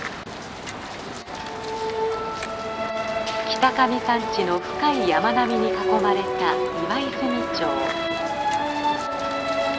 北上山地の深い山並みに囲まれた岩泉町。